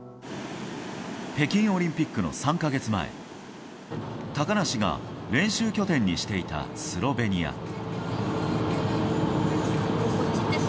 北京オリンピックの３か月前高梨が練習拠点にしていたスロベニア。